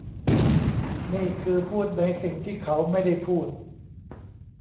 นี่คือพูดในสิ่งที่เขาไม่ได้พูด